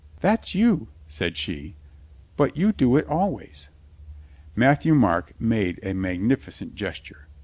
"That's you," said she. "But you do it always." Matthieu Marc made a magnificent gesture.